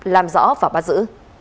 làm rõ và bắt giữ